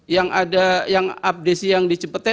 yang abdesi yang di cipete